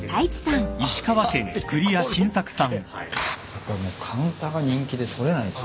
やっぱもうカウンターが人気で取れないんすよ。